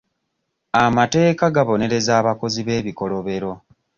Amateeka gabonereza abakozi b'ebikolobero.